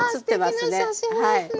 あすてきな写真ですね。